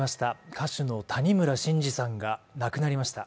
歌手の谷村新司さんが亡くなりました。